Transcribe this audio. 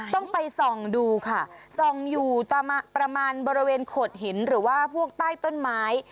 ต้องไปส่องดูค่ะส่องอยู่ประมาณบริเวณโขดหินหรือว่าพวกใต้ต้นไม้